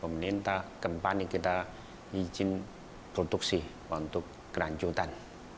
minta kembali kita izin produksi untuk keranjutan